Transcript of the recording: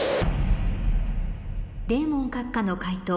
デーモン閣下の解答